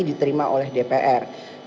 diterima oleh dpr